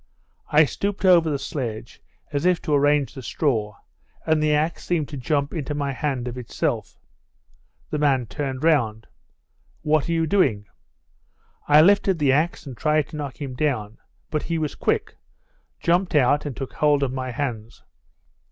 I stooped over the sledge as if to arrange the straw, and the axe seemed to jump into my hand of itself. The man turned round. 'What are you doing?' I lifted the axe and tried to knock him down, but he was quick, jumped out, and took hold of my hands.